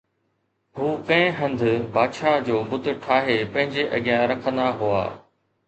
هو ڪنهن هنڌ بادشاهه جو بت ٺاهي پنهنجي اڳيان رکندا هئا